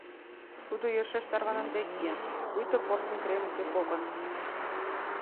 Тудо йӧршеш тарваныде киен, пуйто порсын кремысе кокон.